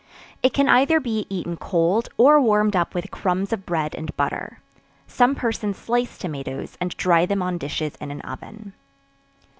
It can either be eaten cold, or warmed up with crumbs of bread and butter. Some persons slice tomatoes, and dry them on dishes in an oven.